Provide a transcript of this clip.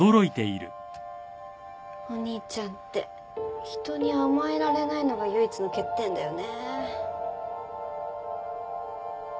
お兄ちゃんって人に甘えられないのが唯一の欠点だよね。